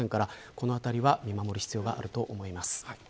このあたり、見守る必要があると思います。